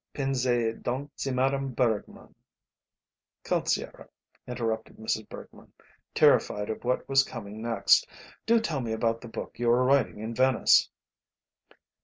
Pensez donc si Madame Bergmann " "Count Sciarra," interrupted Mrs. Bergmann, terrified of what was coming next, "do tell me about the book you are writing on Venice."